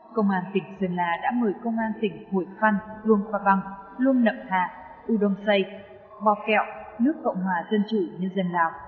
công an tỉnh sơn la đã mời công an tỉnh hội phan luông khoa băng luông nậm hạ u đông xây bò kẹo nước cộng hòa dân chủy nhân dân lào